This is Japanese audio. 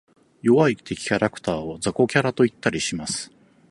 弱い敵キャラクターを雑魚キャラと言ったりします。